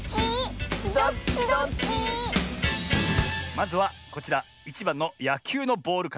まずはこちら１ばんのやきゅうのボールから。